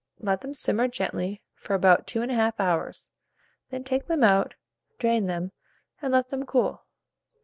Let them simmer gently for about 2 1/2 hours; then take them out, drain them, and let them cool.